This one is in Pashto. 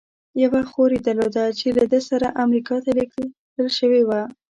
یوه خور یې درلوده، چې له ده سره امریکا ته لېږل شوې وه.